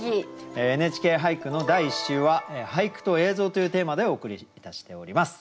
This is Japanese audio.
「ＮＨＫ俳句」の第１週は「俳句と映像」というテーマでお送りいたしております。